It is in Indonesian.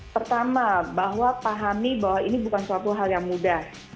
pertama bahwa pahami bahwa ini bukan suatu hal yang mudah